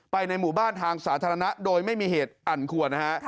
ในหมู่บ้านทางสาธารณะโดยไม่มีเหตุอันควรนะฮะ